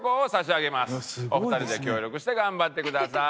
お二人で協力して頑張ってください。